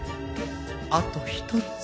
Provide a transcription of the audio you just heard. あと一つ。